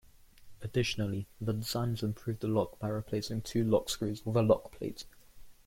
Additionally, the designers improved the lock by replacing two lockscrews with a lockplate.